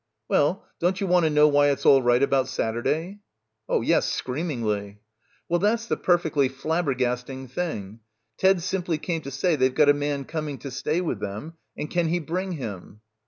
"Well, don't you want to know why it's all right about Saturday? "Yes, screamingly. "Well, that's the perfectly flabbergasting thing. Ted simply came to say they've got a man coming to stay with them and can he bring him."